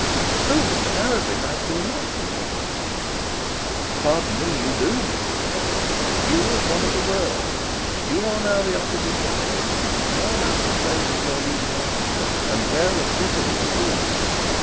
'Oh! Mr Arabin, I do not condemn you.' 'Pardon me, you do, Mrs Bold you as one of the world; you are now the opposition member; you are now composing your leading article, and well and bitterly you do it.